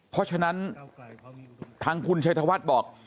เพราะฉะนั้นทางคุณชัยธวัฒน์บอก